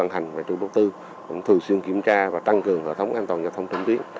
hành vệ trụ đầu tư cũng thường xuyên kiểm tra và tăng cường hệ thống an toàn giao thông trong tuyến